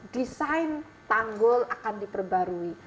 desain tanggul akan diperbarui